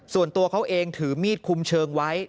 ส่วนตัวเขาเองถือมีดคุมเชิงไว้